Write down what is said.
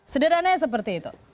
sederhana seperti itu